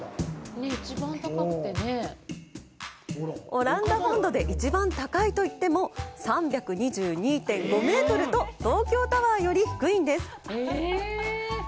オランダ本土で一番高いといっても３２２．５メートルと東京タワーよりも低いんです！